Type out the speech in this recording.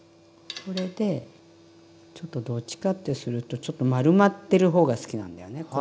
それでちょっとどっちかってするとちょっと丸まってる方が好きなんだよね。